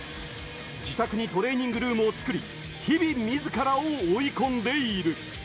自宅にトレーニングルームを作り、日々みずからを追い込んでいる。